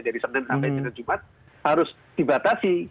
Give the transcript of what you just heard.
dari senin sampai dengan jumat harus dibatasi